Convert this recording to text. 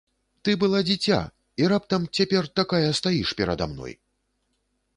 Ты была дзіця і раптам цяпер такая стаіш перада мной!